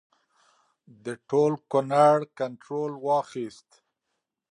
د ټول کنړ کنټرول واخیست.